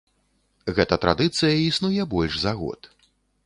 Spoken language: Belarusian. Гэта традыцыя існуе больш за год.